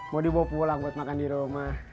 mau dibawa pulang buat makan dirumah